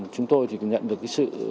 chúng tôi thì nhận được sự